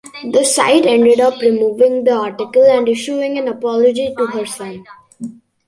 The site ended up removing the article and issuing an apology to her son.